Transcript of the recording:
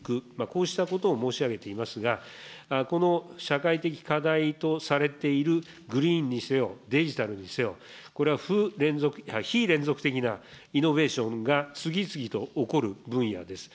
こうしたことを申し上げていますが、この社会的課題とされているグリーンにせよ、デジタルにせよ、これはふ、非連続的なイノベーションが次々と起こる分野です。